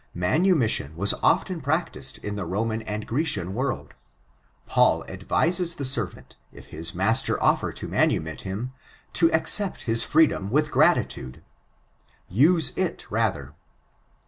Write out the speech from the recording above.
Manumission was often practised in the Boman and Grecian world. Paul advises the servant, if his master offer to manumit him, to accept his freedom with gratitude— >' use it rather.''